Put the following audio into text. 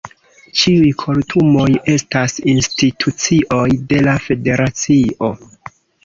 Ĉiuj kortumoj estas institucioj de la federacio.